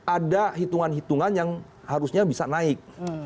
ada hitungan hitungan yang harusnya bisa naik